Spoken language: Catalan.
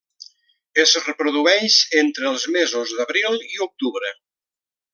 Es reprodueix entre els mesos d'abril i octubre.